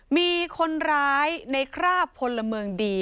มีคนร้ายในคราบพลเมืองดี